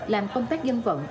làm công tác dân vận